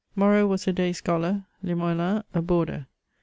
Moreau was a day scholar, Limoelan a boarder.